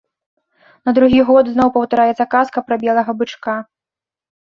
На другі год зноў паўтараецца казка пра белага бычка.